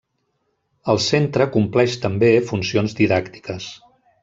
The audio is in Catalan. El centre compleix també funcions didàctiques.